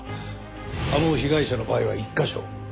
あの被害者の場合は１カ所。